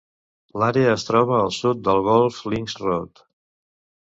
L'àrea es troba al sud de Golf Links Road.